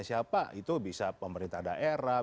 siapa itu bisa pemerintah daerah